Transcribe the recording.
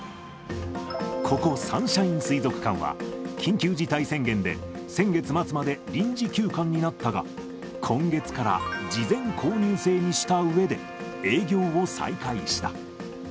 ここサンシャイン水族館は、緊急事態宣言で、先月末まで臨時休館になったが、今月から事前購入制にしたうえで、営業を再開した。